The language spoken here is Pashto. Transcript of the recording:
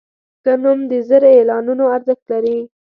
ښه نوم د زر اعلانونو ارزښت لري.